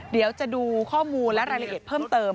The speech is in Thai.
เดี๋ยวจะดูข้อมูลและรายละเอียดเพิ่มเติม